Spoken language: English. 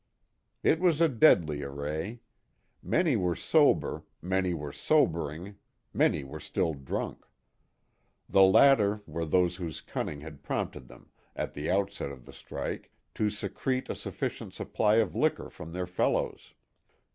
It was a deadly array. Many were sober, many were sobering, many were still drunk. The latter were those whose cunning had prompted them, at the outset of the strike, to secrete a sufficient supply of liquor from their fellows.